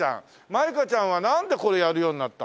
マイカちゃんはなんでこれやるようになったの？